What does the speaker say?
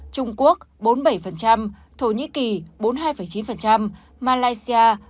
trung quốc bốn mươi bảy thổ nhĩ kỳ bốn mươi hai chín malaysia ba mươi bốn sáu